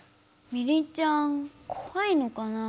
ミリンちゃんこわいのかなぁ。